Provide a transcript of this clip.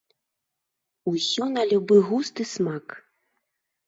Усё на любы густ і смак.